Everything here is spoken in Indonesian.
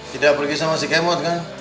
tidak pergi sama si kemot kan